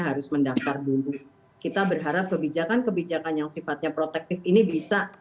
harus mendaftar dulu kita berharap kebijakan kebijakan yang sifatnya protektif ini bisa